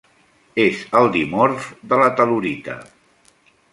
És el dimorf de la tel·lurita.